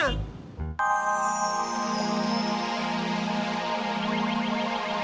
sampai jumpa lagi